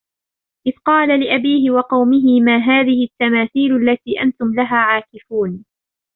إِذْ قَالَ لِأَبِيهِ وَقَوْمِهِ مَا هَذِهِ التَّمَاثِيلُ الَّتِي أَنْتُمْ لَهَا عَاكِفُونَ